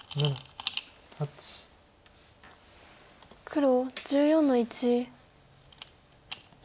黒１４の一。